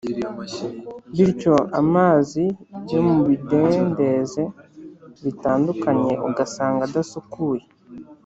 bityo amazi yo mu bidendeze bitandukanye ugasanga adasukuye.